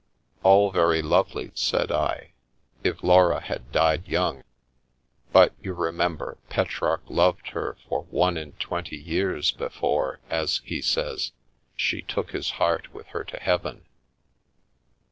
All very lovely," said I, " if Laura had died young. But, you reme*mber, Petrarch loved her for one and twenty years before, as he says, she ' took his heart with her to heaven.'